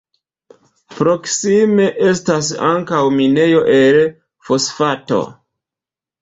Proksime estas ankaŭ minejo el fosfato.